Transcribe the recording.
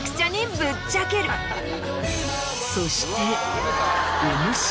そして。